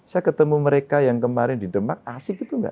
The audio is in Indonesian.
saya ketemu mereka yang kemarin di demak asik itu nggak